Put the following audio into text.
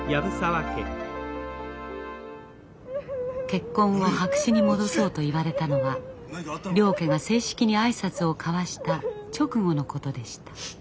結婚を白紙に戻そうと言われたのは両家が正式に挨拶を交わした直後のことでした。